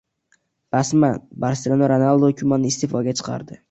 Rasman: Barselona Ronald Kumanni iste’foga chiqardi